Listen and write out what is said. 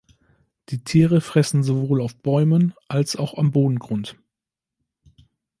Die Tiere fressen sowohl auf Bäumen als auch am Bodengrund.